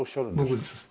僕です。